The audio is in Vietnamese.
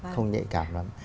không nhạy cảm